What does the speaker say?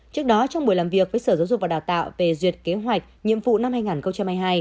trước đó trong buổi làm việc với sở giáo dục và đào tạo về duyệt kế hoạch nhiệm vụ năm hai nghìn hai mươi hai